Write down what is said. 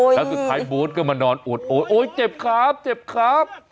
โอ้ยแล้วก็สุดท้ายเบิ้ลก็มานอนโอดโอดโอ้ยเจ็บครับเจ็บครับ